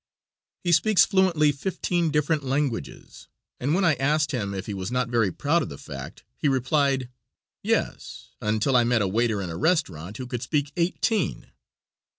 He speaks fluently fifteen different languages, and when I asked him if he was not very proud of the fact, he replied: "Yes, until I met a waiter in a restaurant who could speak eighteen."